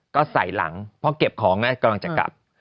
ก็ใส่หลังเพราะเก็บของกำลังจะกลับ